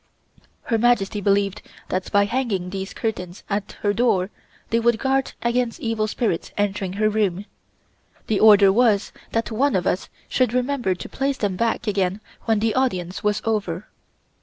Her Majesty believed that by hanging these curtains at her door they would guard against evil spirits entering her room. The order was that one of us should remember to place them back again when the audience was over.